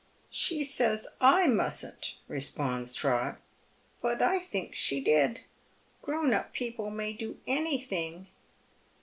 " She saya / mustn't," responds Trot, "but I think she did. Grown up people may do anything.